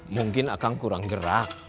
mungkin akan kurang gerak